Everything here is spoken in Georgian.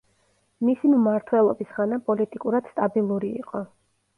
მისი მმართველობის ხანა პოლიტიკურად სტაბილური იყო.